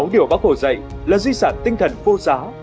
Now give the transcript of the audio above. sáu điều bác hồ dạy là duy sản tinh thần vô giáo